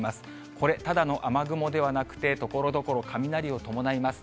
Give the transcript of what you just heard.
これ、ただの雨雲ではなくて、ところどころ、雷を伴います。